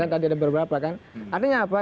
yang tadi ada beberapa kan artinya apa